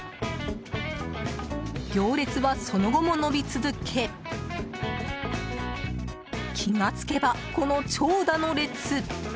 行列はその後も延び続け気がつけば、この長蛇の列。